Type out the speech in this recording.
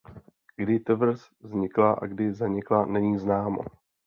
Kdy tvrz vznikla a kdy zanikla není známo.